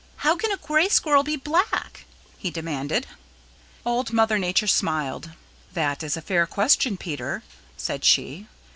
"How can a Gray Squirrel be black?" he demanded. Old Mother Nature smiled. "That is a fair question, Peter," said she.